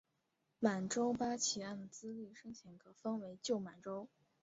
满洲八旗按资历深浅可分为旧满洲。